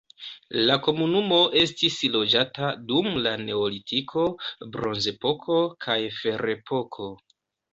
La komunumo estis loĝata dum la neolitiko, bronzepoko kaj ferepoko.